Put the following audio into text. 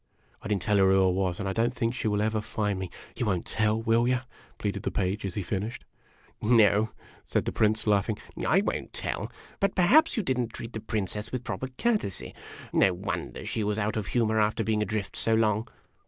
I did n't tell her who I was, and I don't think she will ever find me. You won't tell, will you ?" pleaded the Page, as he finished. " No", said the Prince, laughing. " I won't tell. But perhaps you did n't treat the Princess with proper courtesy. No wonder she was out of humor, after being adrift so long."